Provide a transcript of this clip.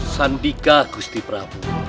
sandika gusti prabu